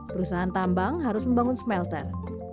perusahaan tambang harus membangun smelter